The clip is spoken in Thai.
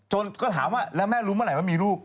ก็ถามว่าแล้วแม่รู้เมื่อไหร่ว่ามีลูก